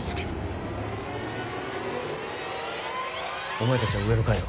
お前たちは上の階を。